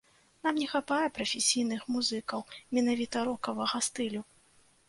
Нам не хапае прафесійных музыкаў менавіта рокавага стылю.